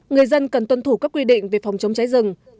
người dân cần tuân thủ các quy định về phòng chống cháy rừng